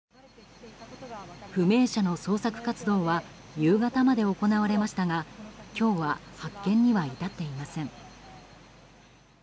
不明者の捜索活動は夕方まで行われましたが今日は発見には至っていません。